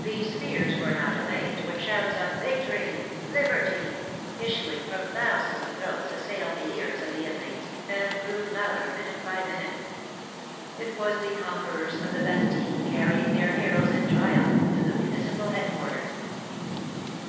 These fears were not allayed when shouts of *' Victory !"" Liberty !" issuing from thousands of throats, assailed the ears of the inmates, and grew louder minute by minute. It was the conquerors of the Bastille carrying their heroes in triumph to the municipal head quarters.